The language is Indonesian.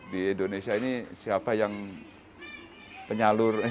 di indonesia ini siapa yang penyalur